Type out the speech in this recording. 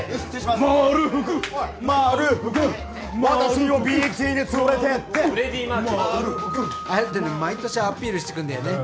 まるふくああやってね毎年アピールしてくんだよね。